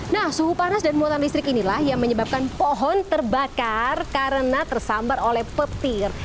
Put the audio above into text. nah suhu panas dan muatan listrik inilah yang menyebabkan pohon terbakar karena tersambar oleh petir